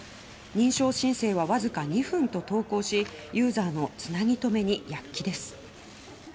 認証申請はわずか２分と投稿しユーザーの繋ぎ留めに躍起です。